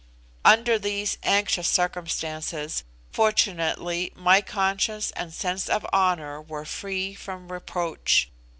Under these anxious circumstances, fortunately, my conscience and sense of honour were free from reproach.